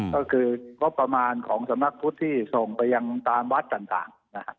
ก็คือกบประมาณของสมัครพุทธที่ส่งไปยังตามวัดต่าง